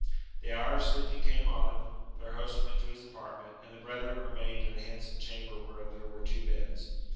The hour of sleeping came on; their host went to his apartment, and the brethren remained in a handsome chamber where there were two beds.